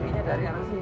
kayaknya dari arah sini